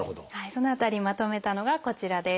その辺りまとめたのがこちらです。